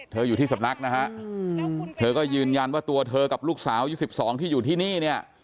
อยู่ที่สำนักนะฮะเธอก็ยืนยันว่าตัวเธอกับลูกสาวยุค๑๒ที่อยู่ที่นี่เนี่ย